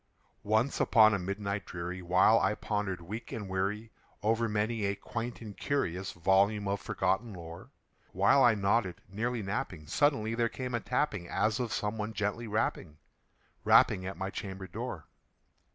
Once upon a midnight dreary, while I pondered, weak and weary, Over many a quaint and curious volume of forgotten lore While I nodded, nearly napping, suddenly there came a tapping, As of some one gently rapping rapping at my chamber door.